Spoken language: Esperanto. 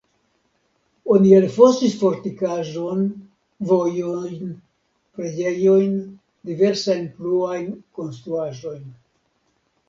Oni elfosis fortikaĵon, vojojn, preĝejojn, diversajn pluajn konstruaĵojn.